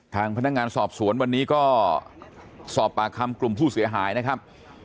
ทางพนักงานสอบสวนวันนี้ก็สอบปากคำกลุ่มผู้เสียหายนะครับ